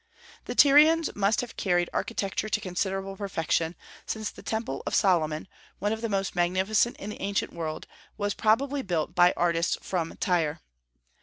The Tyrians must have carried architecture to considerable perfection, since the Temple of Solomon, one of the most magnificent in the ancient world, was probably built by artists from Tyre.